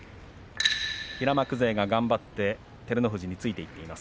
平幕勢が頑張って照ノ富士についていっています。